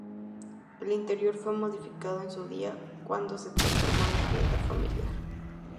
El interior fue modificado en su día, cuando se transformó en vivienda familiar.